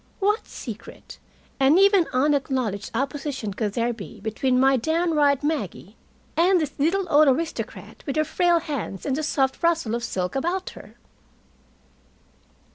What secret and even unacknowledged opposition could there be between my downright Maggie and this little old aristocrat with her frail hands and the soft rustle of silk about her?